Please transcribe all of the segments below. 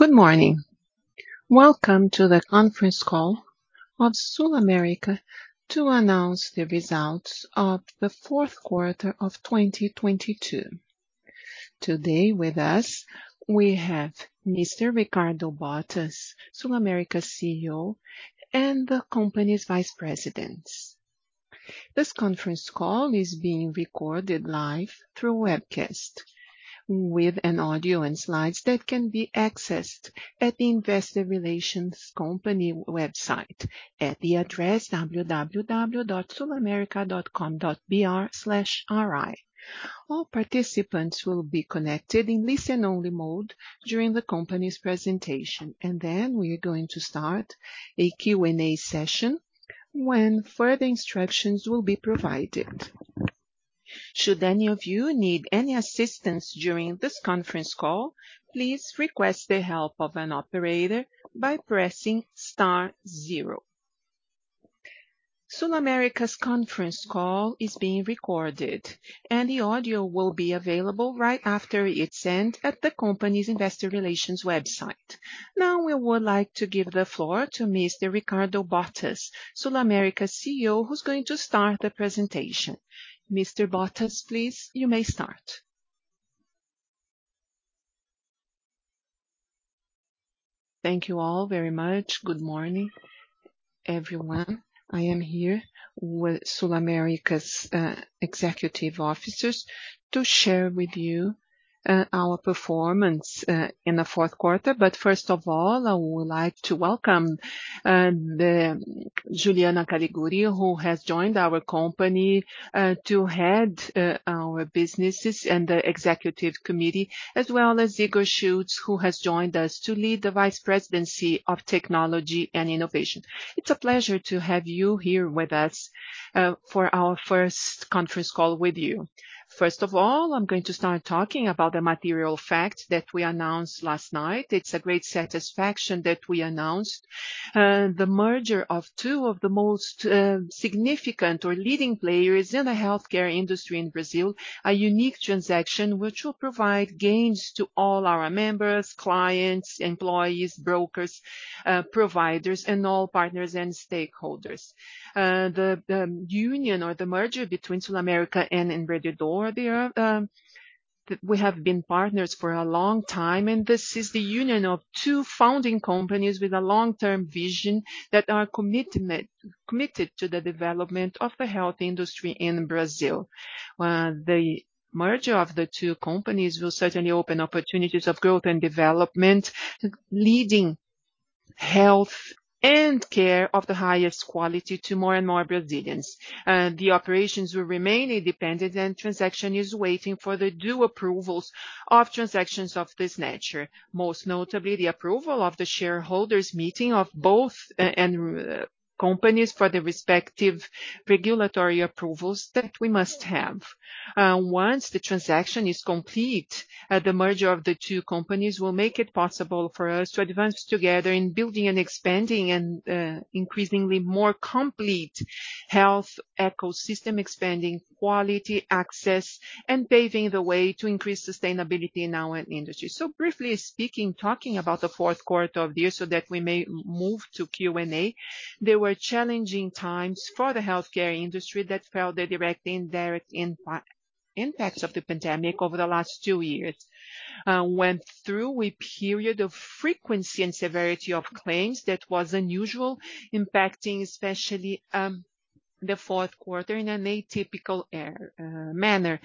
Good morning. Welcome to the conference call of SulAmérica to announce the results of the fourth quarter of 2022. Today with us, we have Mr. Ricardo Bottas, SulAmérica CEO, and the company's vice presidents. This conference call is being recorded live through webcast with an audio and slides that can be accessed at the investor relations company website at the address www.sulamerica.com.br/ri. All participants will be connected in listen-only mode during the company's presentation. We are going to start a Q&A session when further instructions will be provided. Should any of you need any assistance during this conference call, please request the help of an operator by pressing star zero. SulAmérica's conference call is being recorded, and the audio will be available right after it's ended at the company's investor relations website. Now, we would like to give the floor to Mr.Ricardo Bottas, SulAmérica CEO, who's going to start the presentation. Mr. Bottas, please, you may start. Thank you all very much. Good morning, everyone. I am here with SulAmérica's executive officers to share with you our performance in the fourth quarter. First of all, I would like to welcome the Juliana Caligiuri, who has joined our company to head our businesses and the executive committee, as well as Igor Schutz, who has joined us to lead the vice presidency of Technology and Innovation. It's a pleasure to have you here with us for our first conference call with you. First of all, I'm going to start talking about the material facts that we announced last night. It's a great satisfaction that we announced the merger of two of the most significant or leading players in the healthcare industry in Brazil, a unique transaction which will provide gains to all our members, clients, employees, brokers, providers, and all partners and stakeholders. The union or the merger between SulAmérica and Rede D'Or. We have been partners for a long time, and this is the union of two founding companies with a long-term vision that are committed to the development of the health industry in Brazil. The merger of the two companies will certainly open opportunities of growth and development, leading health and care of the highest quality to more and more Brazilians. The operations will remain independent and transaction is waiting for the due approvals of transactions of this nature, most notably the approval of the shareholders' meeting of both companies for the respective regulatory approvals that we must have. Once the transaction is complete, the merger of the two companies will make it possible for us to advance together in building and expanding and increasingly more complete health ecosystem, expanding quality access, and paving the way to increase sustainability in our industry. Briefly speaking, talking about the fourth quarter of the year so that we may move to Q&A, there were challenging times for the healthcare industry that felt the direct and indirect impacts of the pandemic over the last two years. We went through a period of frequency and severity of claims that was unusual, impacting especially the fourth quarter in an atypical manner.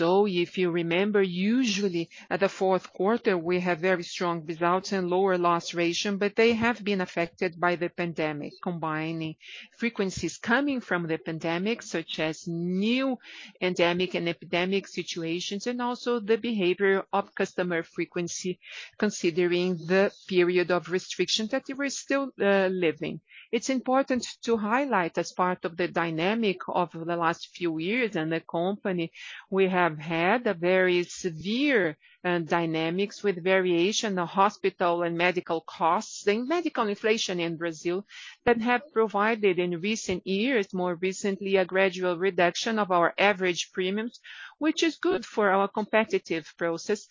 If you remember, usually at the fourth quarter, we have very strong results and lower loss ratio, but they have been affected by the pandemic, combining frequencies coming from the pandemic, such as new endemic and epidemic situations, and also the behavior of customer frequency, considering the period of restriction that we're still living. It's important to highlight as part of the dynamic of the last few years in the company, we have had a very severe dynamics with variation of hospital and medical costs and medical inflation in Brazil that have provided in recent years, more recently, a gradual reduction of our average premiums, which is good for our competitive process.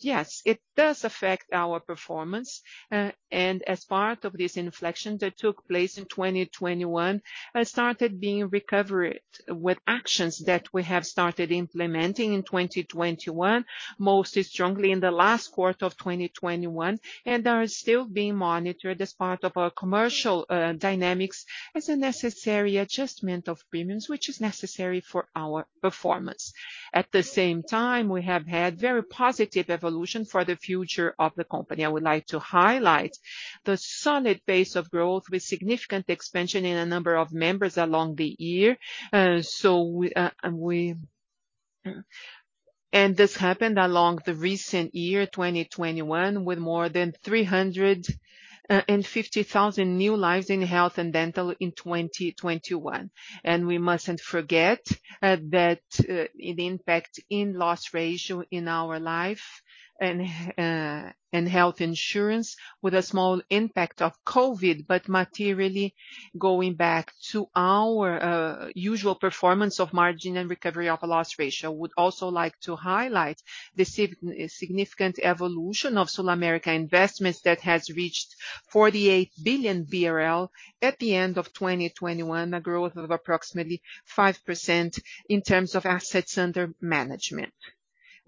Yes, it does affect our performance. As part of this inflection that took place in 2021, started being recovered with actions that we have started implementing in 2021, most strongly in the last quarter of 2021, and are still being monitored as part of our commercial dynamics as a necessary adjustment of premiums, which is necessary for our performance. At the same time, we have had very positive evolution for the future of the company. I would like to highlight the solid pace of growth with significant expansion in a number of members along the year. This happened along the recent year, 2021, with more than 350,000 new lives in health and dental in 2021. We mustn't forget that the impact in loss ratio in our life and health insurance with a small impact of COVID, but materially going back to our usual performance of margin and recovery of loss ratio. Would also like to highlight the significant evolution of SulAmérica Investimentos that has reached 48 billion BRL at the end of 2021, a growth of approximately 5% in terms of assets under management.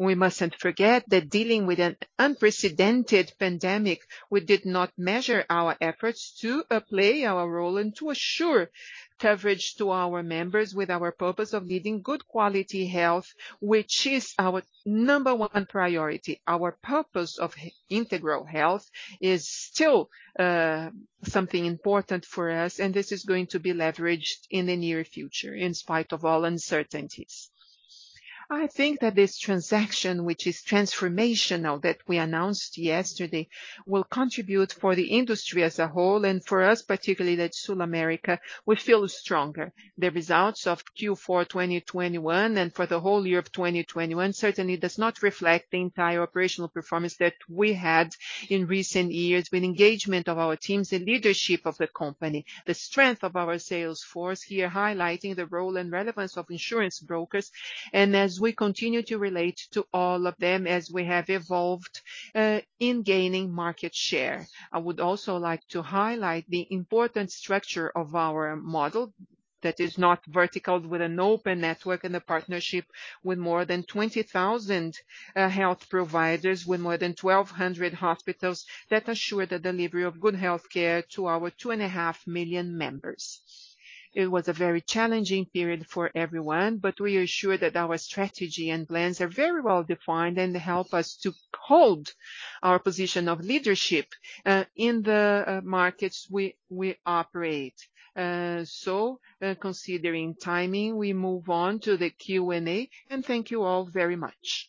We mustn't forget that dealing with an unprecedented pandemic, we did not measure our efforts to play our role and to assure coverage to our members with our purpose of leading good quality health, which is our number one priority. Our purpose of integral health is still something important for us, and this is going to be leveraged in the near future, in spite of all uncertainties. I think that this transaction, which is transformational, that we announced yesterday, will contribute for the industry as a whole and for us, particularly at SulAmérica, we feel stronger. The results of Q4 2021 and for the whole year of 2021 certainly does not reflect the entire operational performance that we had in recent years with engagement of our teams, the leadership of the company, the strength of our sales force, here highlighting the role and relevance of insurance brokers, and as we continue to relate to all of them as we have evolved in gaining market share. I would also like to highlight the important structure of our model that is not vertical, with an open network and a partnership with more than 20,000 health providers, with more than 1,200 hospitals that assure the delivery of good health care to our 2.5 million members. It was a very challenging period for everyone, but we are sure that our strategy and plans are very well defined and help us to hold our position of leadership in the markets we operate. Considering timing, we move on to the Q&A, and thank you all very much.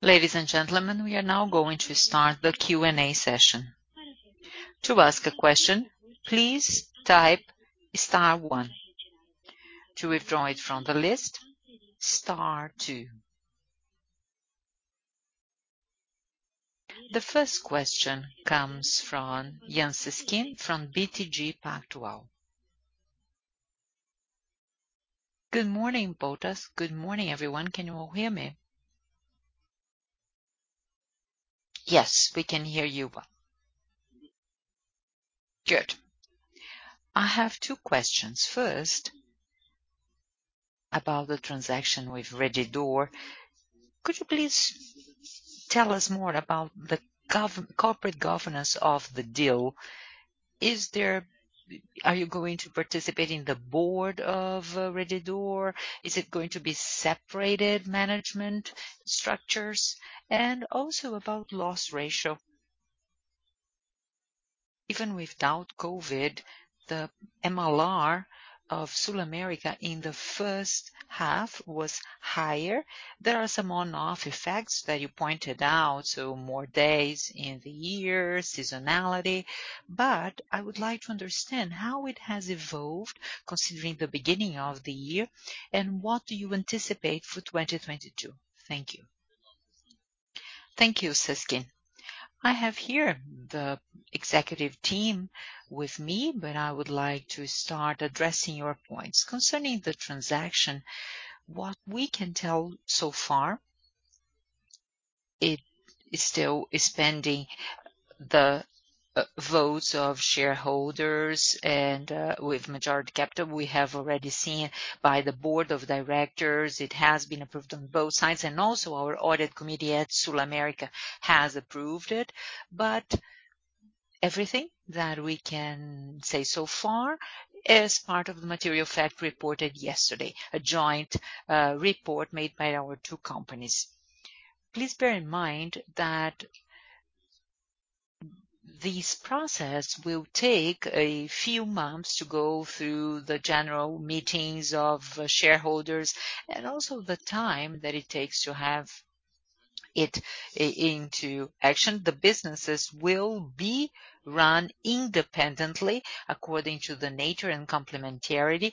Ladies and gentlemen, we are now going to start the Q&A session. To ask a question, please type star one. To withdraw it from the list, star two. The first question comes from Jorge Sestini from BTG Pactual. Good morning, Bottas. Good morning, everyone. Can you all hear me? Yes, we can hear you well. Good. I have two questions. First, about the transaction with Rede D'Or. Could you please tell us more about the corporate governance of the deal? Are you going to participate in the board of Rede D'Or? Is it going to be separated management structures? Also about loss ratio. Even without COVID, the MLR of SulAmérica in the first half was higher. There are some one-off effects that you pointed out, so more days in the year, seasonality. I would like to understand how it has evolved considering the beginning of the year, and what do you anticipate for 2022? Thank you. Thank you, Sestini. I have here the executive team with me, but I would like to start addressing your points. Concerning the transaction, what we can tell so far, it is still pending the votes of shareholders and with majority capital, we have already seen by the board of directors, it has been approved on both sides, and also our audit committee at SulAmérica has approved it. Everything that we can say so far is part of the material fact reported yesterday, a joint report made by our two companies. Please bear in mind that this process will take a few months to go through the general meetings of shareholders and also the time that it takes to have it into action. The businesses will be run independently according to the nature and complementarity.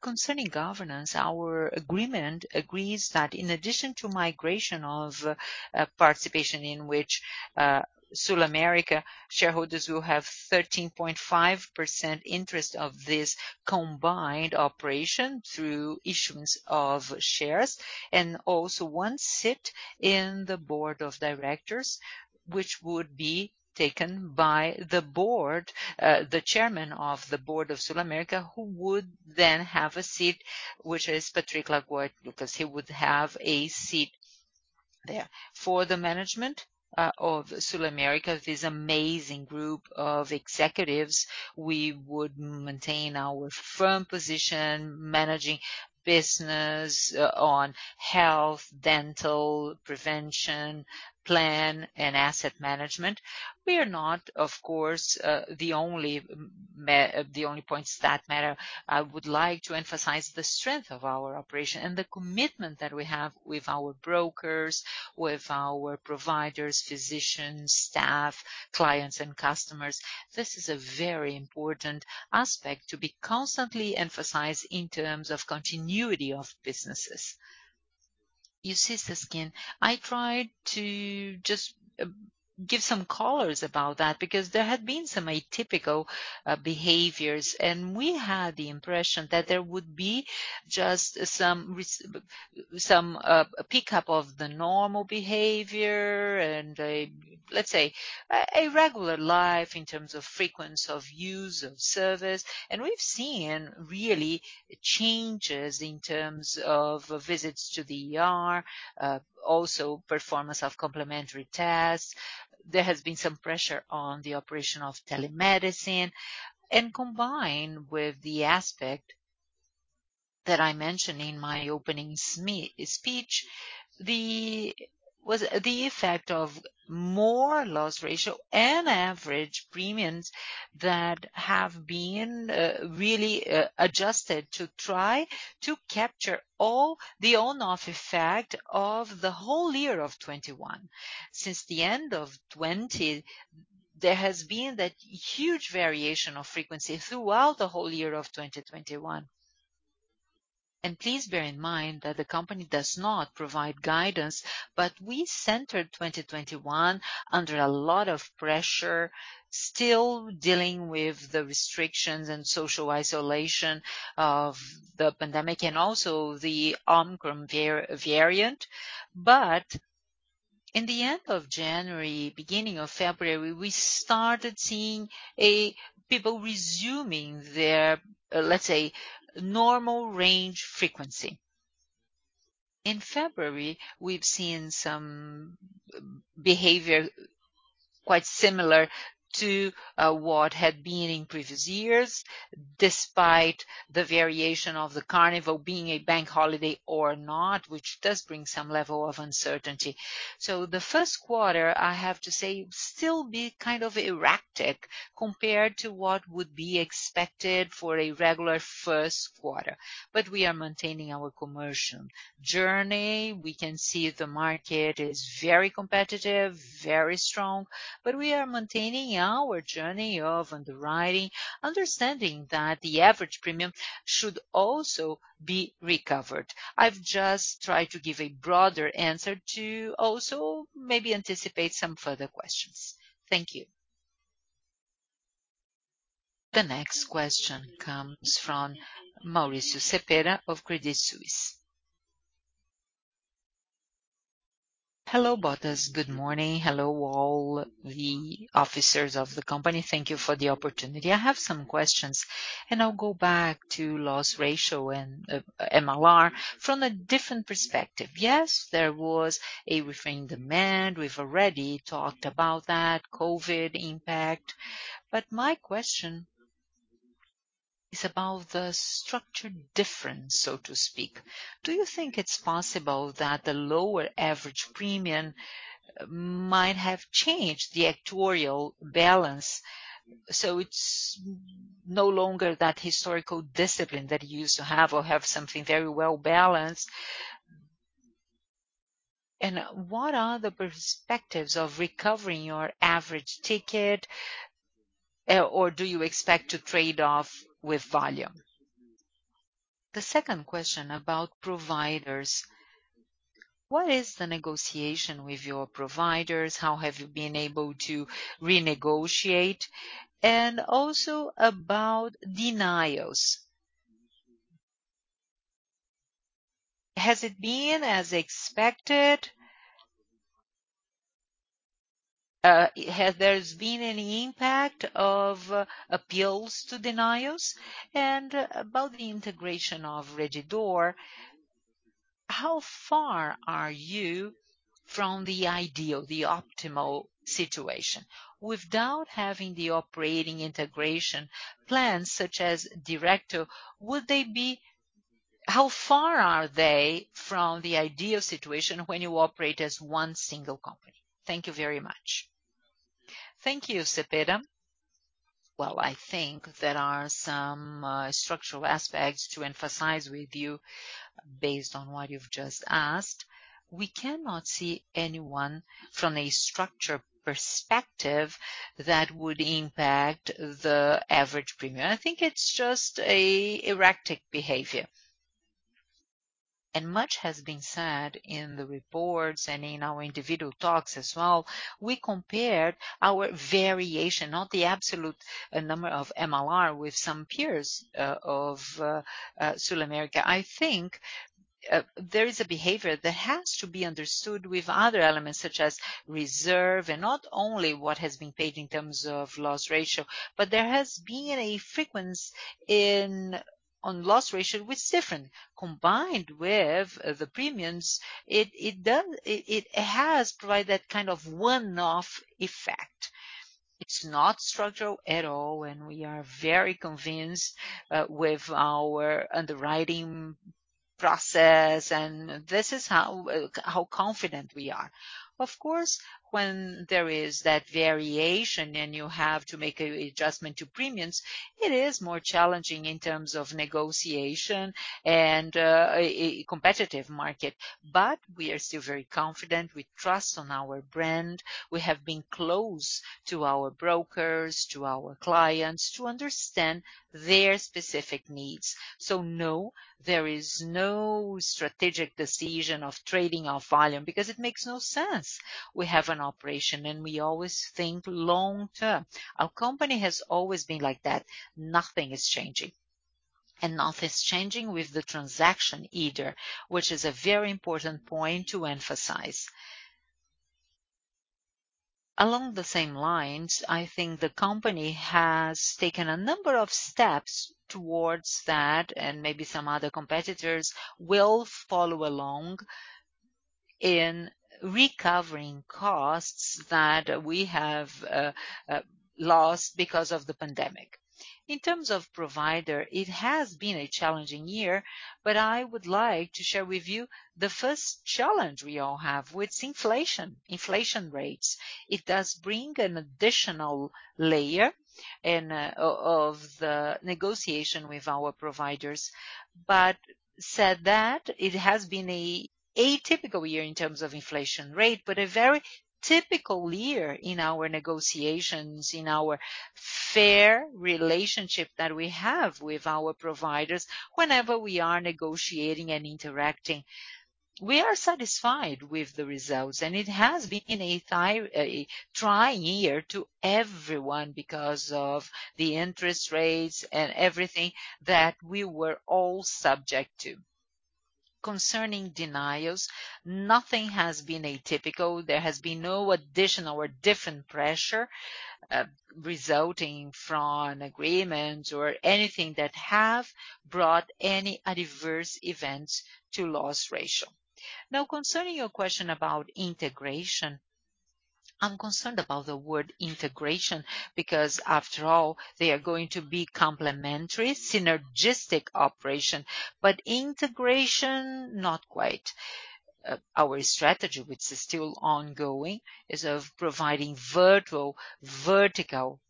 Concerning governance, our agreement agrees that in addition to migration of participation in which SulAmérica shareholders will have 13.5% interest of this combined operation through issuance of shares, and also one seat in the board of directors, which would be taken by the board, the Chairman of the Board of SulAmérica, who would then have a seat, which is Patrick de Larragoiti Lucas, because he would have a seat there. For the management of SulAmérica, this amazing group of executives, we would maintain our firm position managing business on health, dental, prevention, plan, and asset management. We are not, of course, the only points that matter. I would like to emphasize the strength of our operation and the commitment that we have with our brokers, with our providers, physicians, staff, clients and customers. This is a very important aspect to be constantly emphasized in terms of continuity of businesses. You see, Sestini, I tried to just give some colors about that because there had been some atypical behaviors, and we had the impression that there would be just some pick up of the normal behavior and, let's say, a regular life in terms of frequency of use of service. We've seen really changes in terms of visits to the ER, also performance of complementary tests. There has been some pressure on the operation of telemedicine. Combined with the aspect that I mentioned in my opening speech, the effect of more loss ratio and average premiums that have been really adjusted to try to capture all the on/off effect of the whole year of 2021. Since the end of 2020, there has been that huge variation of frequency throughout the whole year of 2021. Please bear in mind that the company does not provide guidance, but we entered 2021 under a lot of pressure, still dealing with the restrictions and social isolation of the pandemic and also the Omicron variant. In the end of January, beginning of February, we started seeing people resuming their, let's say, normal range frequency. In February, we've seen some behavior quite similar to what had been in previous years, despite the variation of the carnival being a bank holiday or not, which does bring some level of uncertainty. The first quarter, I have to say, still be kind of erratic compared to what would be expected for a regular first quarter. We are maintaining our commercial journey. We can see the market is very competitive, very strong, but we are maintaining our journey of underwriting, understanding that the average premium should also be recovered. I've just tried to give a broader answer to also maybe anticipate some further questions. Thank you. The next question comes from Mauricio Cepeda of Credit Suisse. Hello, Bottas. Good morning. Hello, all the officers of the company. Thank you for the opportunity. I have some questions, and I'll go back to loss ratio and MLR from a different perspective. Yes, there was a restrained demand. We've already talked about that COVID impact. My question is about the structural difference, so to speak. Do you think it's possible that the lower average premium might have changed the actuarial balance, so it's no longer that historical discipline that you used to have or have something very well-balanced? And what are the perspectives of recovering your average ticket, or do you expect to trade off with volume? The second question about providers, what is the negotiation with your providers? How have you been able to renegotiate? And also about denials, has it been as expected? Has there been any impact of appeals to denials? About the integration of Rede D'Or, how far are you from the ideal, the optimal situation? Without having the operating integration plans such as Direto, how far are they from the ideal situation when you operate as one single company? Thank you very much. Thank you, Cepeda. Well, I think there are some structural aspects to emphasize with you based on what you've just asked. We cannot see any wrong from a structure perspective that would impact the average premium. I think it's just an erratic behavior. Much has been said in the reports and in our individual talks as well. We compared our variation, not the absolute number of MLR with some peers of SulAmérica. I think there is a behavior that has to be understood with other elements such as reserve and not only what has been paid in terms of loss ratio, but there has been a frequency increase in loss ratio with different, combined with the premiums, it has provided that kind of one-off effect. It's not structural at all, and we are very convinced with our underwriting process, and this is how confident we are. Of course, when there is that variation and you have to make an adjustment to premiums, it is more challenging in terms of negotiation and a competitive market. We are still very confident. We trust in our brand. We have been close to our brokers, to our clients to understand their specific needs. No, there is no strategic decision of trading our volume because it makes no sense. We have an operation, and we always think long-term. Our company has always been like that. Nothing is changing. Nothing's changing with the transaction either, which is a very important point to emphasize. Along the same lines, I think the company has taken a number of steps towards that, and maybe some other competitors will follow along in recovering costs that we have lost because of the pandemic. In terms of provider, it has been a challenging year, but I would like to share with you the first challenge we all have with inflation rates. It does bring an additional layer of the negotiation with our providers. That said, it has been an atypical year in terms of inflation rate, but a very typical year in our negotiations, in our fair relationship that we have with our providers. Whenever we are negotiating and interacting, we are satisfied with the results, and it has been a trying year to everyone because of the interest rates and everything that we were all subject to. Concerning denials, nothing has been atypical. There has been no additional or different pressure resulting from agreements or anything that have brought any adverse events to loss ratio. Now, concerning your question about integration, I'm concerned about the word integration because after all, they are going to be complementary, synergistic operation. Integration, not quite. Our strategy, which is still ongoing, is of providing vertical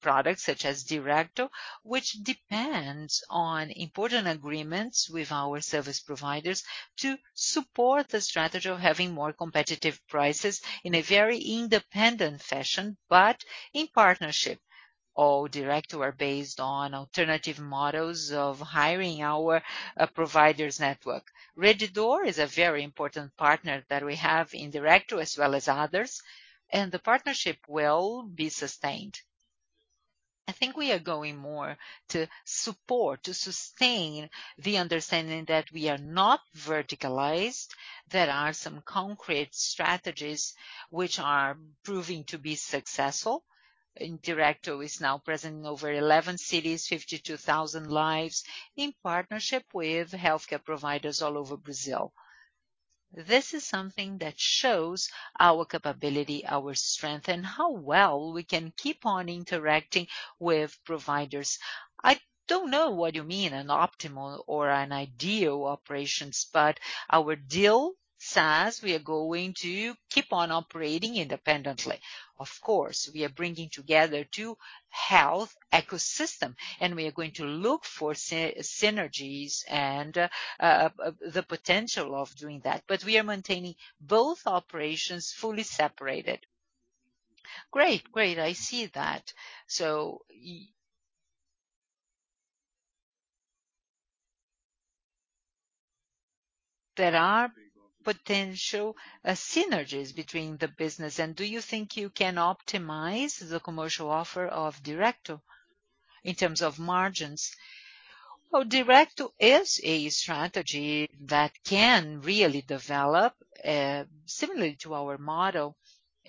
products such as Direto, which depends on important agreements with our service providers to support the strategy of having more competitive prices in a very independent fashion, but in partnership. All Direto are based on alternative models of hiring our providers network. Rede D'Or is a very important partner that we have in Direto as well as others, and the partnership will be sustained. I think we are going more to support, to sustain the understanding that we are not verticalized. There are some concrete strategies which are proving to be successful. Direto is now present in over 11 cities, 52,000 lives in partnership with healthcare providers all over Brazil. This is something that shows our capability, our strength, and how well we can keep on interacting with providers. I don't know what you mean by an optimal or an ideal operations, but our deal says we are going to keep on operating independently. Of course, we are bringing together two health ecosystems, and we are going to look for synergies and the potential of doing that, but we are maintaining both operations fully separated. Great. I see that. There are potential synergies between the business. Do you think you can optimize the commercial offer of Direto in terms of margins? Well, Direto is a strategy that can really develop similarly to our model.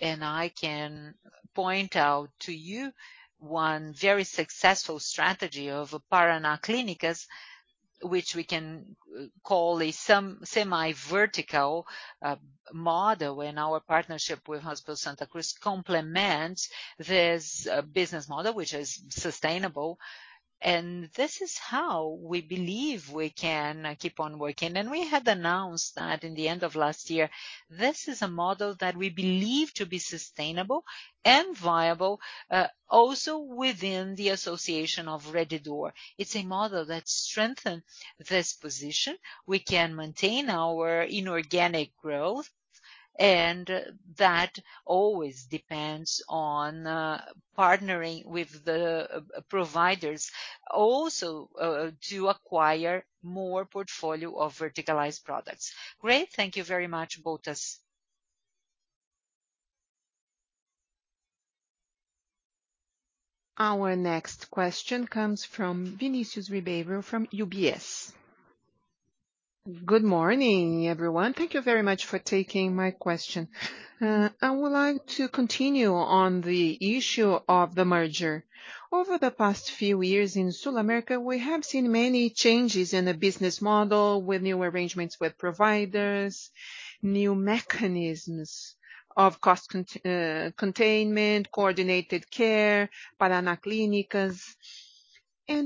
I can point out to you one very successful strategy of Paraná Clínicas, which we can call a semi-vertical model. Our partnership with Hospital Santa Cruz complements this business model, which is sustainable. This is how we believe we can keep on working. We had announced that in the end of last year. This is a model that we believe to be sustainable and viable, also within the association of Rede D'Or. It's a model that strengthen this position. We can maintain our inorganic growth, and that always depends on partnering with the providers to acquire more portfolio of verticalized products. Great. Thank you very much, both of us. Our next question comes from Vinicius Ribeiro from UBS. Good morning, everyone. Thank you very much for taking my question. I would like to continue on the issue of the merger. Over the past few years in SulAmérica, we have seen many changes in the business model with new arrangements with providers, new mechanisms of cost containment, coordinated care, Paraná Clínicas.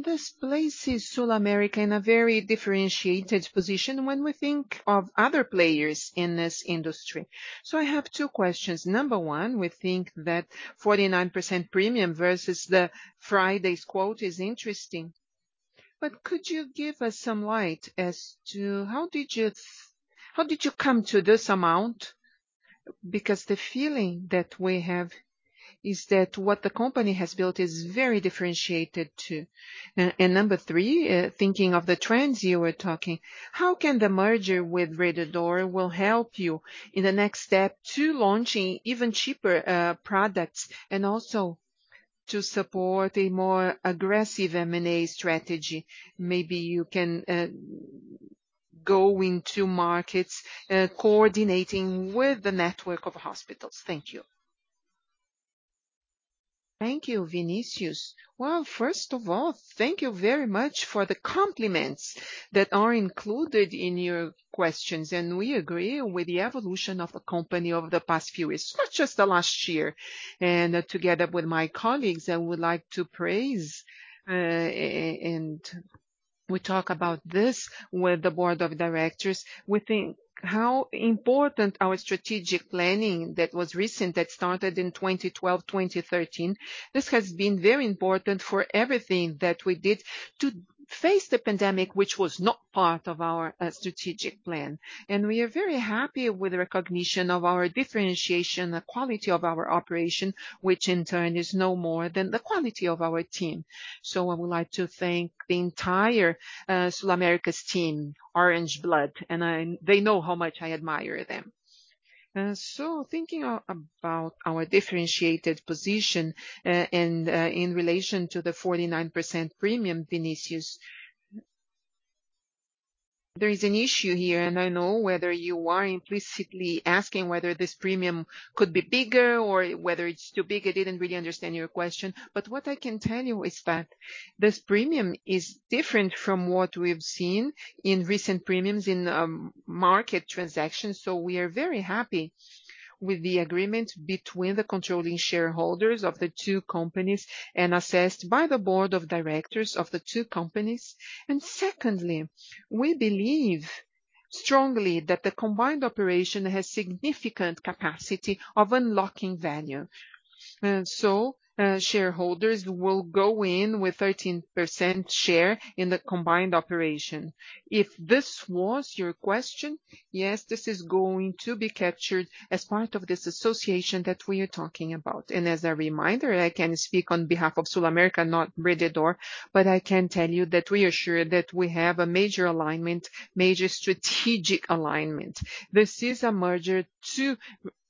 This places SulAmérica in a very differentiated position when we think of other players in this industry. I have two questions. Number one, we think that 49% premium versus the Friday's quote is interesting. Could you give us some light as to how did you come to this amount? Because the feeling that we have is that what the company has built is very differentiated to. Number three, thinking of the trends you were talking, how can the merger with Rede D'Or help you in the next step to launching even cheaper products and also to support a more aggressive M&A strategy, maybe you can go into markets coordinating with the network of hospitals. Thank you. Thank you, Vinicius. Well, first of all, thank you very much for the compliments that are included in your questions. We agree with the evolution of the company over the past few years, not just the last year. Together with my colleagues, I would like to praise, and we talk about this with the board of directors. We think how important our strategic planning that was recent, that started in 2012, 2013. This has been very important for everything that we did to face the pandemic, which was not part of our strategic plan. We are very happy with the recognition of our differentiation, the quality of our operation, which in turn is no more than the quality of our team. I would like to thank the entire SulAmérica's team, Orange Blood. They know how much I admire them. Thinking about our differentiated position, and in relation to the 49% premium Vinicius. There is an issue here, and I know whether you are implicitly asking whether this premium could be bigger or whether it's too big. I didn't really understand your question, but what I can tell you is that this premium is different from what we've seen in recent premiums in market transactions. We are very happy with the agreement between the controlling shareholders of the two companies and assessed by the board of directors of the two companies. Secondly, we believe strongly that the combined operation has significant capacity of unlocking value. Shareholders will go in with 13% share in the combined operation. If this was your question, yes, this is going to be captured as part of this association that we are talking about. As a reminder, I can speak on behalf of SulAmérica, not Rede D'Or, but I can tell you that we are sure that we have a major alignment, major strategic alignment. This is a merger to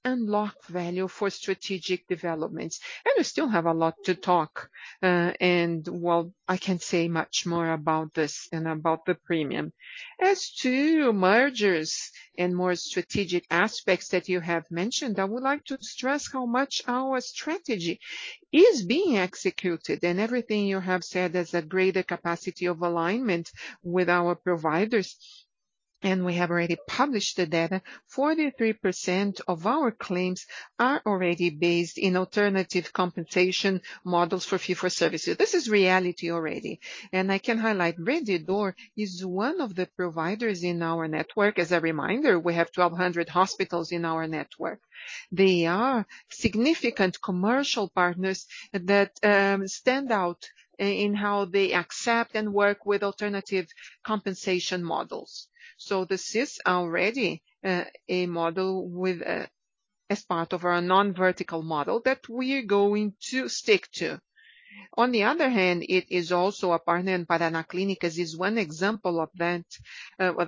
unlock value for strategic developments. We still have a lot to talk. I can't say much more about this and about the premium. As to mergers and more strategic aspects that you have mentioned, I would like to stress how much our strategy is being executed. Everything you have said, there's a greater capacity of alignment with our providers, and we have already published the data. 43% of our claims are already based on alternative compensation models for fee-for-service. This is reality already. I can highlight Rede D'Or is one of the providers in our network. As a reminder, we have 1,200 hospitals in our network. They are significant commercial partners that stand out in how they accept and work with alternative compensation models. This is already a model as part of our non-vertical model that we are going to stick to. On the other hand, it is also a partner, and Paraná Clínicas is one example of that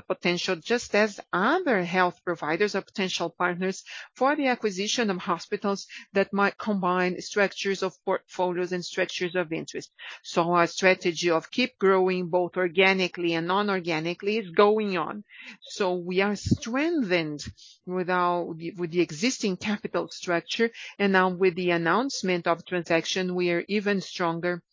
potential. Just as other health providers are potential partners for the acquisition of hospitals that might combine structures of portfolios and structures of interest. Our strategy of keep growing both organically and non-organically is going on. We are strengthened with the existing capital structure. Now with the announcement of transaction, we are even stronger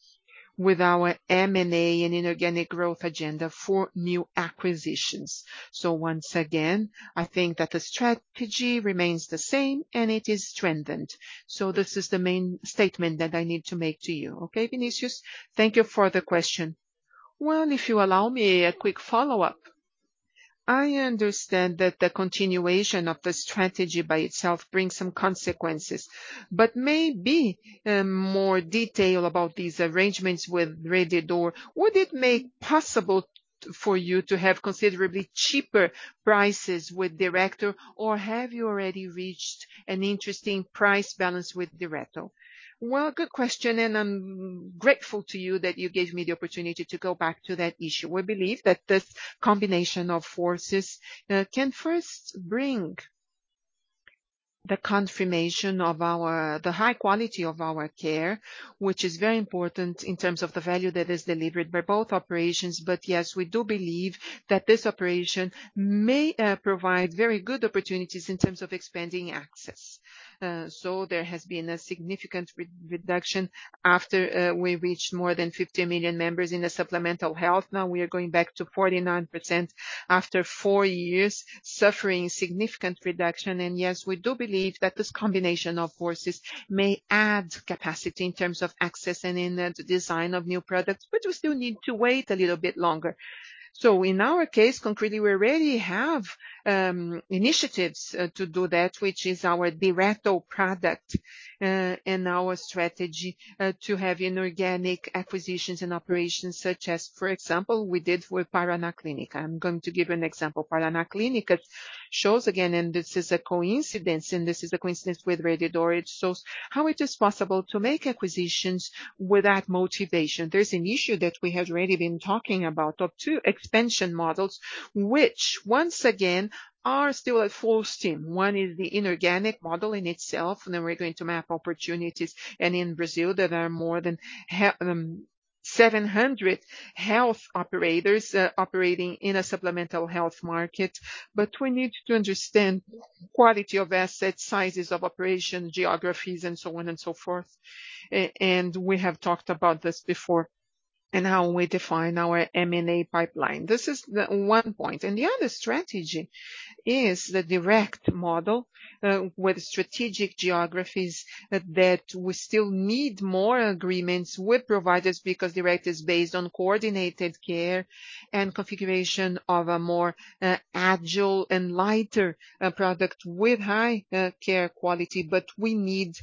with our M&A and inorganic growth agenda for new acquisitions. Once again, I think that the strategy remains the same and it is strengthened. This is the main statement that I need to make to you. Okay, Vinicius? Thank you for the question. Well, if you allow me a quick follow-up. I understand that the continuation of the strategy by itself brings some consequences, but maybe more detail about these arrangements with Rede D'Or. Would it make possible for you to have considerably cheaper prices with Direto, or have you already reached an interesting price balance with Direto? Well, good question, and I'm grateful to you that you gave me the opportunity to go back to that issue. We believe that this combination of forces can first bring the confirmation of the high quality of our care, which is very important in terms of the value that is delivered by both operations. Yes, we do believe that this operation may provide very good opportunities in terms of expanding access. There has been a significant reduction after we reached more than 50 million members in the supplemental health. Now we are going back to 49% after four years suffering significant reduction. Yes, we do believe that this combination of forces may add capacity in terms of access and in the design of new products, but we still need to wait a little bit longer. In our case, concretely, we already have initiatives to do that, which is our Direto product, and our strategy to have inorganic acquisitions and operations such as, for example, we did with Paraná Clínicas. I'm going to give you an example. Paraná Clínicas shows again, and this is a coincidence with Rede D'Or. It shows how it is possible to make acquisitions without motivation. There's an issue that we have already been talking about of two expansion models, which once again are still at full steam. One is the inorganic model in itself, and then we're going to map opportunities. In Brazil, there are more than 700 health operators operating in a supplemental health market. We need to understand quality of assets, sizes of operation, geographies and so on and so forth. We have talked about this before and how we define our M&A pipeline. This is the one point. The other strategy is the Direto model with strategic geographies that we still need more agreements with providers because direct is based on coordinated care and configuration of a more agile and lighter product with high care quality. We need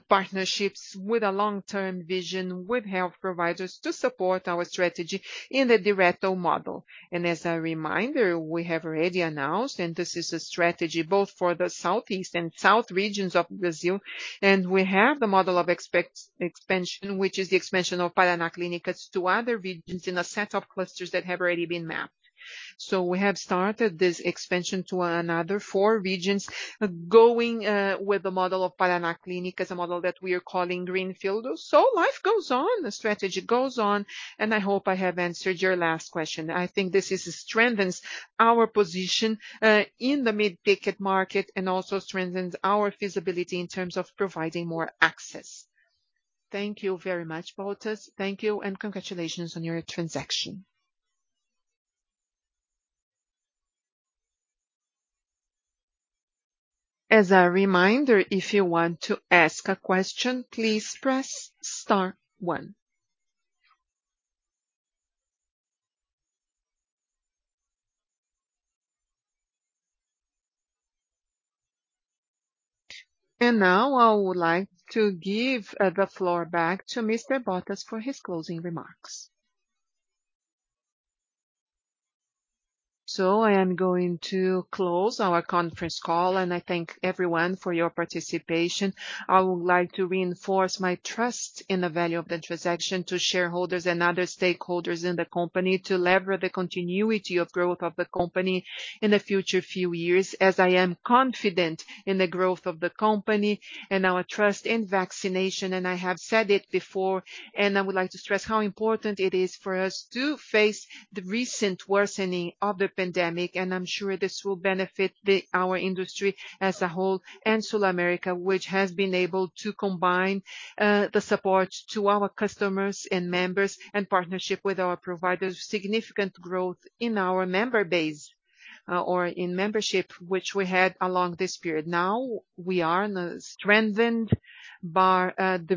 partnerships with a long-term vision with health providers to support our strategy in the Direto model. As a reminder, we have already announced, and this is a strategy both for the southeast and south regions of Brazil. We have the model of expansion, which is the expansion of Paraná Clínicas to other regions in a set of clusters that have already been mapped. We have started this expansion to another four regions going with the model of Paraná Clínicas, as a model that we are calling greenfield. Life goes on, the strategy goes on, and I hope I have answered your last question. I think this strengthens our position in the mid-ticket market and also strengthens our feasibility in terms of providing more access. Thank you very much, Bottas. Thank you and congratulations on your transaction. As a reminder, if you want to ask a question, please press star one. Now I would like to give the floor back to Mr. Bottas for his closing remarks. I am going to close our conference call, and I thank everyone for your participation. I would like to reinforce my trust in the value of the transaction to shareholders and other stakeholders in the company to leverage the continuity of growth of the company in the future few years as I am confident in the growth of the company and our trust in vaccination. I have said it before, and I would like to stress how important it is for us to face the recent worsening of the pandemic. I'm sure this will benefit our industry as a whole and SulAmérica, which has been able to combine the support to our customers and members and partnership with our providers, significant growth in our member base or in membership, which we had along this period. Now we are strengthened by the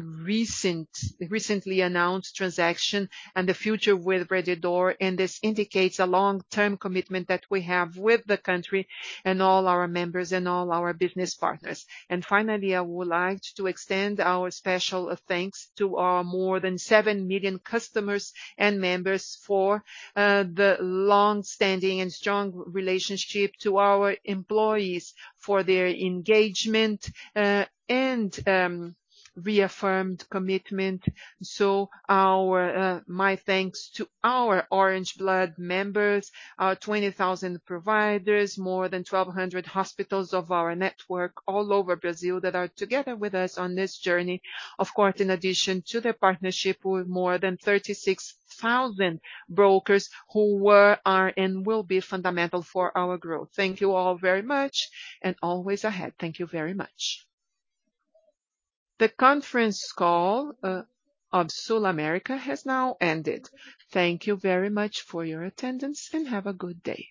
recently announced transaction and the future with Rede D'Or, and this indicates a long-term commitment that we have with the country and all our members and all our business partners. Finally, I would like to extend our special thanks to our more than 7 million customers and members for the long-standing and strong relationship to our employees for their engagement and reaffirmed commitment. My thanks to our Orange Blood members, our 20,000 providers, more than 1,200 hospitals of our network all over Brazil that are together with us on this journey. Of course, in addition to the partnership with more than 36,000 brokers who were, are, and will be fundamental for our growth. Thank you all very much and always ahead. Thank you very much. The conference call of SulAmérica has now ended. Thank you very much for your attendance, and have a good day.